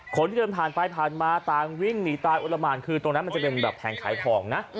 คนที่เดินผ่านไปผ่านมาต่างวิ่งหนีตายโอละหมานคือตรงนั้นมันจะเป็นแบบแผงขายของนะ